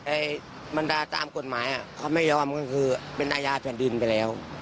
บรรดาตามกฎหมายเขาไม่ยอมก็คือเป็นอาญาแผ่นดินไปแล้ว